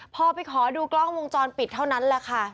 พอไปขอดูกล้องวงจรปิดเท่านั้นแหละค่ะ